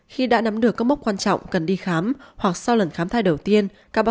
khi đã nắm được các mốc quan trọng cần đi khám hoặc sau lần khám thai đầu tiên